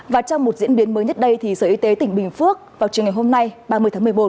và trong một diễn biến mới nhất đây thì sở y tế tỉnh bình phước vào trường ngày hôm nay ba mươi tháng một mươi một